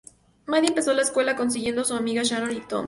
Maddy empezó la escuela consiguiendo a su amiga Shannon y Tom.